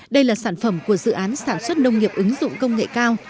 đây là sản phẩm của dự án sản xuất nông nghiệp ứng dụng công nghệ cao